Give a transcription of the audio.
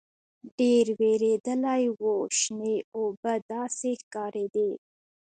ډېر وېردلي وو شنې اوبه داسې ښکارېدې.